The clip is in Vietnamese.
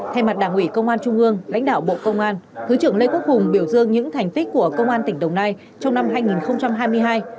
thay mặt đảng ủy công an trung ương lãnh đạo bộ công an thứ trưởng lê quốc hùng biểu dương những thành tích của công an tỉnh đồng nai trong năm hai nghìn hai mươi hai